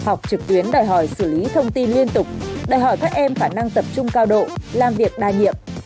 học trực tuyến đòi hỏi xử lý thông tin liên tục đòi hỏi các em khả năng tập trung cao độ làm việc đa nhiệm